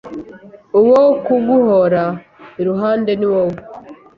uwo kuguhora iruhande niwowe.